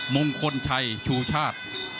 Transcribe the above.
มงคลชัยชูชาติ